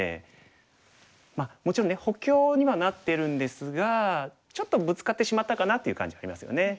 まあもちろんね補強にはなってるんですがちょっとブツカってしまったかなっていう感じはありますよね。